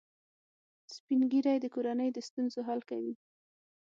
سپین ږیری د کورنۍ د ستونزو حل کوي